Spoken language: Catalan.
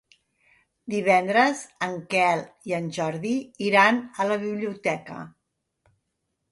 Divendres en Quel i en Jordi iran a la biblioteca.